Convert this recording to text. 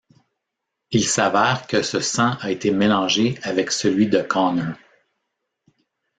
Il s'avère que ce sang a été mélangé avec celui de Connor.